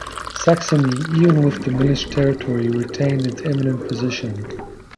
Saxony, even with diminished territory, retained its eminent position.